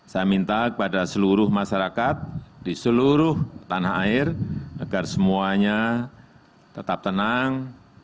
saya minta kepada seluruh masyarakat di seluruh tanah air agar semuanya tetap tenang